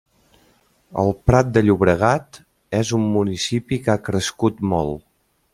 El Prat de Llobregat és un municipi que ha crescut molt.